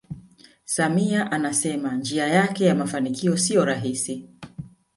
samia anasema njia yake ya mafanikio siyo rahisi